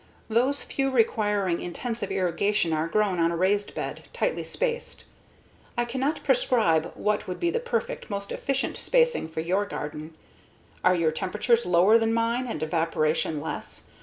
Those few requiring intensive irrigation are grown on a raised bed, tightly spaced. I cannot prescribe what would be the perfect, most efficient spacing for your garden. Are your temperatures lower than mine and evaporation less?